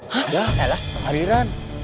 hah eh lah haliran